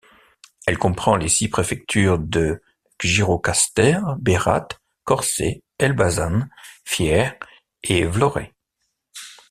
Elle comprend les six préfectures de Gjirokastër, Berat, Korçë, Elbasan, Fier et Vlorë.